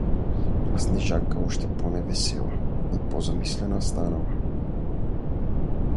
А Снежанка още по-невесела и по-замислена станала.